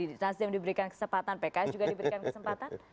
nasdem diberikan kesempatan pks juga diberikan kesempatan